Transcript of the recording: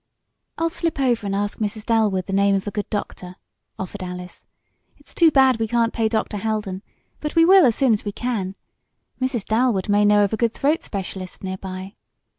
"I'll slip over and ask Mrs. Dalwood the name of a good doctor," offered Alice. "It's too bad we can't pay Dr. Haldon, but we will as soon as we can. Mrs. Dalwood may know of a good throat specialist nearby."